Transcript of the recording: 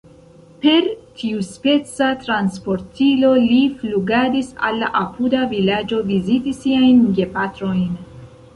Per tiuspeca transportilo li flugadis al la apuda vilaĝo viziti siajn gepatrojn.